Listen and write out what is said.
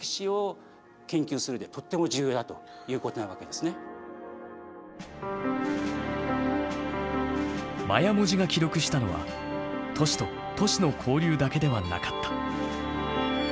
ですからマヤ文字が記録したのは都市と都市の交流だけではなかった。